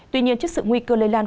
tuy nhiên trước sự nguy cơ lây lan